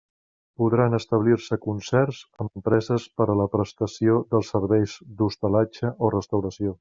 Podran establir-se concerts amb empreses per a la prestació dels servicis d'hostalatge o restauració.